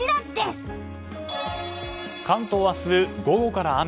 関東は明日、午後から雨。